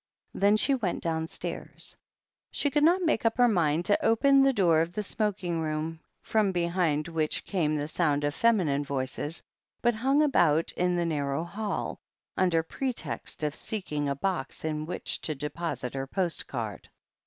Then she went downstairs. She could not make up her mind to open the door of the smoking room, from behind which came the sound of feminine voices, but hung about in the narrow hall, under pretext of seeking a box in which to deposit her postcard.